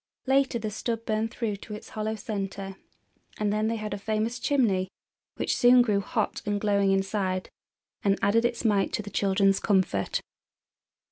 Later the stub burned through to its hollow center, and then they had a famous chimney, which soon grew hot and glowing inside, and added its mite to the children's comfort.